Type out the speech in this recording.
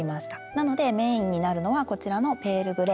なのでメインになるのはこちらのペールグレー。